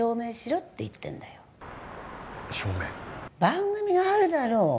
番組があるだろう。